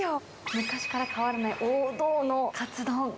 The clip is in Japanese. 昔から変わらない王道のかつ丼。